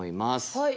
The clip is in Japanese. はい。